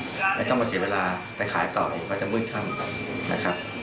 ก็ไม่ต้องมาเสียเวลาไปขายต่อเองมันก็จะมึกตั้งนะครับ